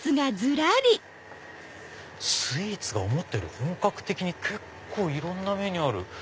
スイーツが思ったより本格的に結構いろんなメニューある。